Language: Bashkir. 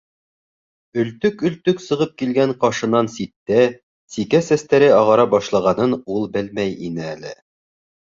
Өлтөк-өлтөк сығып килгән ҡашынан ситтә, сикә сәстәре ағара башлағанын ул белмәй ине әле.